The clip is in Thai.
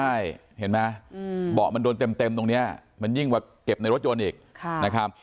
ใช่เห็นไหมเบาะมันโดนเต็มตรงนี้มันยิ่งกว่าเก็บในรถยนต์อีกนะครับ